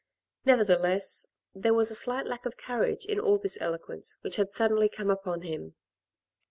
Nevertheless, there was a slight lack of courage in all this eloquence which had suddenly come upon him.